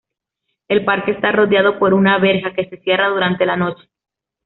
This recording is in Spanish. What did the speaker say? El parque está rodeado por una verja que se cierra durante la noche.